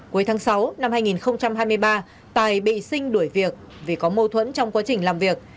cuối tháng sáu năm hai nghìn hai mươi ba tài bị sinh đuổi việc vì có mâu thuẫn trong quá trình làm việc